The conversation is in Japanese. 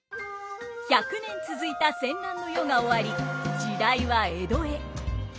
１００年続いた戦乱の世が終わり時代は江戸へ。